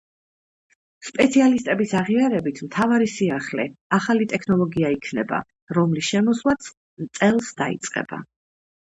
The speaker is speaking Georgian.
სპეციალისტების აღიარებით, მთავარი სიახლე ახალი ტექნოლოგია იქნება, რომლის შემოსვლაც წელს დაიწყება.